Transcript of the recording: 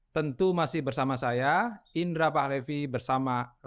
tentu masih bersama saya indra pahlevi bersama